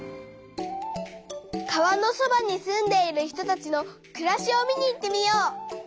川のそばに住んでいる人たちのくらしを見に行ってみよう。